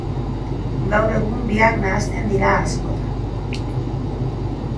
Gaur egun, biak nahasten dira askotan.